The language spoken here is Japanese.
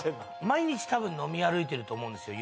毎日たぶん飲み歩いてると思うんですよ